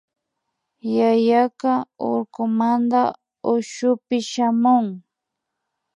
Yayaka urkumanta ushupi shamun